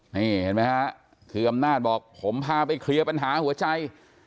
นี่เห็นไหมฮะคืออำนาจบอกผมพาไปเคลียร์ปัญหาหัวใจ